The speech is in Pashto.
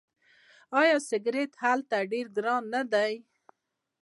آیا سیګرټ هلته ډیر ګران نه دي؟